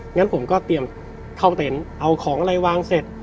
งั้นผมก็เตรียมเข้าเต็นต์เอาของอะไรวางเสร็จ